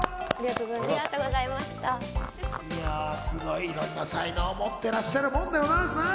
いろんな才能を持ってらっしゃるもんでございますな。